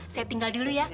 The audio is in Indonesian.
saya tinggal dulu ya